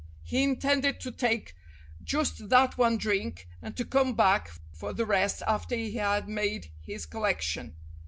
He intended to take just that one drink and to come back for the rest after he had made his collection.